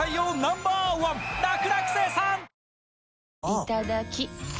いただきっ！